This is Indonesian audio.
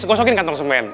gosokin kantong semen